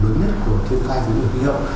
lớn nhất của thiên tai vùng bi hậu